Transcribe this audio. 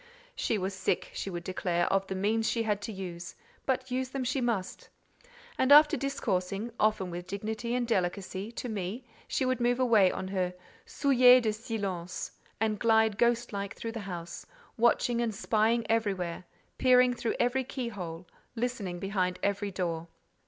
She was sick, she would declare, of the means she had to use, but use them she must; and after discoursing, often with dignity and delicacy, to me, she would move away on her "souliers de silence," and glide ghost like through the house, watching and spying everywhere, peering through every keyhole, listening behind every door.